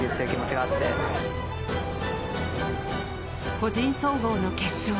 個人総合の決勝。